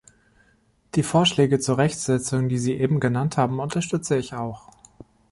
Die Vorschläge zur Rechtssetzung, die Sie eben genannt haben, unterstütze ich auch.